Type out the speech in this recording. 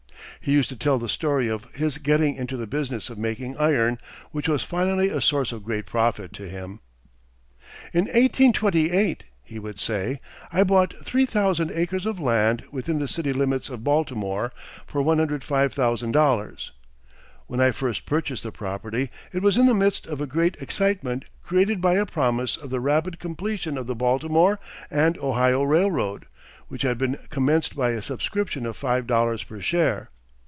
He used to tell the story of his getting into the business of making iron, which was finally a source of great profit to him. "In 1828," he would say, "I bought three thousand acres of land within the city limits of Baltimore for $105,000. When I first purchased the property it was in the midst of a great excitement created by a promise of the rapid completion of the Baltimore and Ohio Railroad, which had been commenced by a subscription of five dollars per share.